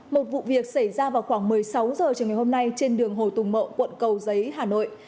một vụ việc xảy ra vào khoảng một mươi sáu h chiều ngày hôm nay trên đường hồ tùng mậu quận cầu giấy hà nội